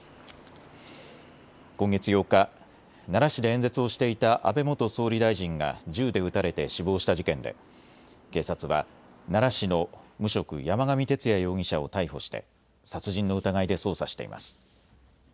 今月８日、奈良市で演説をしていた安倍元総理大臣が銃で撃たれて死亡した事件で警察は奈良市の無職、山上徹也容疑者を逮捕して殺人の疑いで捜査しています。